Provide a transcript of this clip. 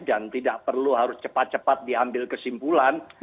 dan tidak perlu harus cepat cepat diambil kesimpulan